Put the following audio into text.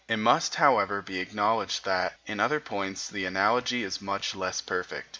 ] It must, however, be acknowledged that, in other points, the analogy is much less perfect.